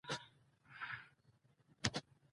ستن یې ګوتو کې نڅیږي